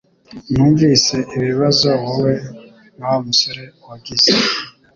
Numvise ibibazo wowe na Wa musore wagize